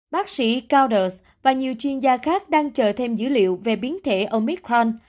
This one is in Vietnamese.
bác sĩ gouders và nhiều chuyên gia khác đang chờ thêm dữ liệu về biến thể omicron